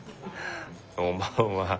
おまんは。